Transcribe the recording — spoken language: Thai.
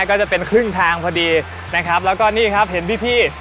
ก็จะเป็นครึ่งทางพอดีนะครับแล้วก็นี่ครับเห็นพี่